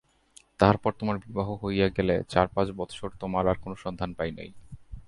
তাহার পর তোমার বিবাহ হইয়া গেলে চারপাঁচ বৎসর তোমার আর কোনো সন্ধান পাই নাই।